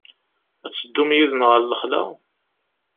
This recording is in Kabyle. Ad teddum yid-neɣ ɣer lexla?